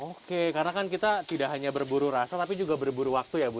oke karena kan kita tidak hanya berburu rasa tapi juga berburu waktu ya bu